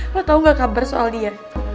lo tau gak kabar soal dia